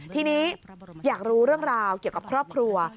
ทีนี้อยากรู้เรื่องราวเกี่ยวกับครอบครัว